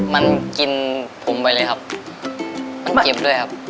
มันกินผมไปเลยครับมันเจ็บด้วยครับ